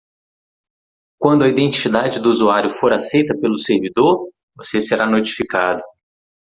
Quando a identidade do usuário for aceita pelo servidor?, você será notificado.